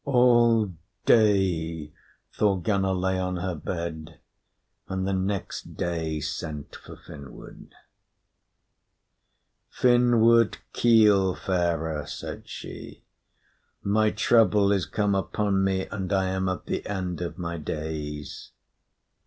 All day Thorgunna lay on her bed, and the next day sent for Finnward. "Finnward Keelfarer," said she, "my trouble is come upon me, and I am at the end of my days."